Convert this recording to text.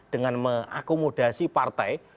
dengan mengakomodasi partai